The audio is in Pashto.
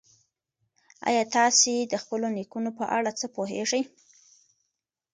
ایا تاسي د خپلو نیکونو په اړه څه پوهېږئ؟